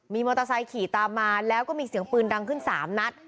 มีมอเตอร์ไซค์ขี่ตามมาแล้วก็มีเสียงปืนดังขึ้น๓นัด